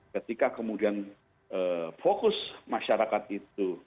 ketika kemudian fokus masyarakat itu